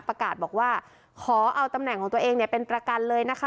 ประกาศบอกว่าขอเอาตำแหน่งของตัวเองเนี่ยเป็นประกันเลยนะคะ